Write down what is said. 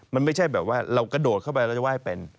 มันไม่ใช่แบบว่าเรากระโดดเข้าไปเราจะไหว้เป็น